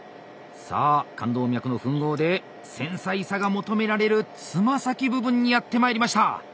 さあ冠動脈の吻合で繊細さが求められるつま先部分にやって参りました。